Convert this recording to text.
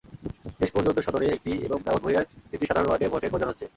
শেষ পর্যন্ত সদরে একটি এবং দাগনভূঞার তিনটি সাধারণ ওয়ার্ডে ভোটের প্রয়োজন হচ্ছে।